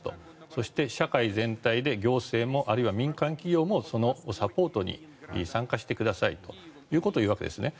そして、社会全体で行政も民間企業もそのサポートに参加してくださいということを言うわけですね。